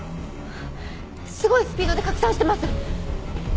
すごいスピードで拡散してます！